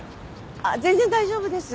あっ全然大丈夫です。